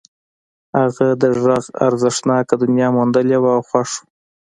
هغه د غږ ارزښتناکه دنيا موندلې وه او خوښ و.